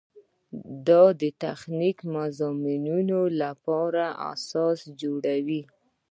دا د تخصصي مضامینو لپاره اساس جوړوي.